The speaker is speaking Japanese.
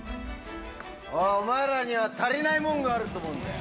おう、お前らには足りないもんがあると思うんだよ。